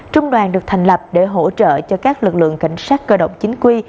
trung đoàn được thành lập để hỗ trợ cho các lực lượng cảnh sát cơ động chính quy